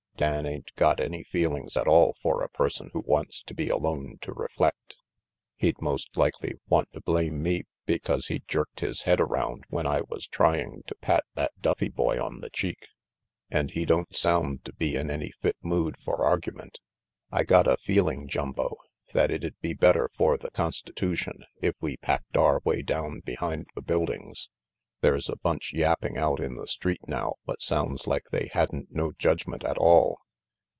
Dan ain't got any feelings at all for a person who wante to be alone to reflect. He'd most likely wanta blame me because he jerked his head around when I was trying to pat that Duffy boy on the cheek. And he don't sound to be in any fit mood for argument. I got a feeling, Jumbo, that it'd be better for the constitushun if we packed our way down behind the buildings. There's a bunch yapping out in the street now what sounds like they hadn't no judgment at all."